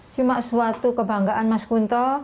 cuma suatu kebanggaan mas gunto